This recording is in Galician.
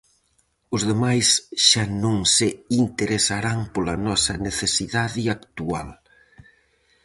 Os demais xa non se interesarán pola nosa necesidade actual.